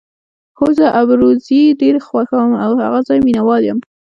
هو، زه ابروزي ډېره خوښوم او د هغه ځای مینه وال یم.